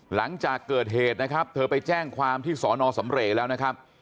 หลังจากเกิดเหตุนะครับเธอไปแจ้งความที่สอนอสำเรย์แล้วนะครับ